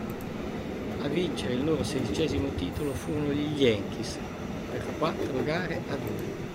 A vincere il loro sedicesimo titolo furono gli Yankees per quattro gare a due.